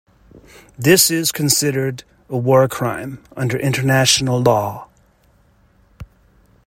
This is considered a war crime under international law.